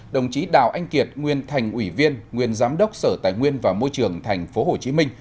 đồng chí đào anh kiệt nguyên thành ủy viên nguyên giám đốc sở tài nguyên và môi trường tp hcm